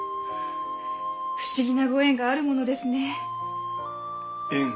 不思議なご縁があるものですねえ。